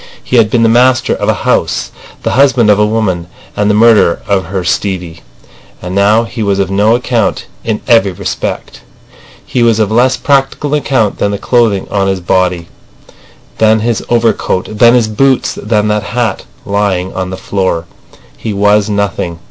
He had been the master of a house, the husband of a woman, and the murderer of her Stevie. And now he was of no account in every respect. He was of less practical account than the clothing on his body, than his overcoat, than his boots—than that hat lying on the floor. He was nothing.